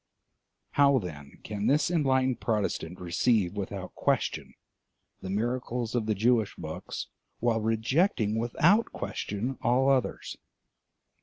How, then, can this enlightened Protestant receive without question the miracles of the Jewish books while rejecting without question all others?